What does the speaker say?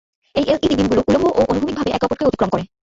এই LED beam গুলি উল্লম্ব এবং অনুভূমিক ভাবে একে অপরকে অতিক্রম করে।